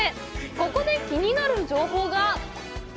ここで、気になる情報が。